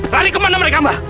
lari kemana mereka mbak